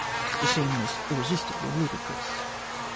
The scene was irresistibly ludicrous."